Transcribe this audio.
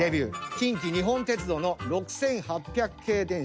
近畿日本鉄道の６８００系電車